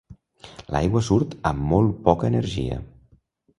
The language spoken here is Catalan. L'aigua surt amb molt poca energia.